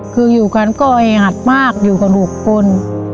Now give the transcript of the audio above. คืออยู่กันก็แองหัดมากอยู่กับลูกคุณ